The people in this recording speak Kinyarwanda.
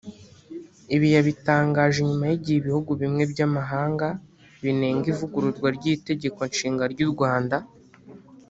Ibi yabitangaje nyuma y’igihe ibihugu bimwe by’amahanga binenga ivugururwa ry’Itegeko Nshinga ry’u Rwanda